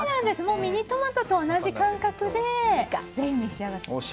ミニトマトと同じ感覚でぜひ召し上がって。